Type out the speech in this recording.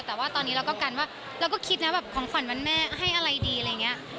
แต่ว่าตอนนี้เราก็กันว่าเราก็คิดนะแบบของขวัญวันแม่ให้อะไรดีอะไรอย่างนี้